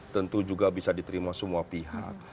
tentu juga bisa diterima semua pihak